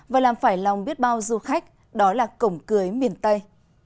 và làm phải lòng biết bao du khách đó là cổng cưới miền tây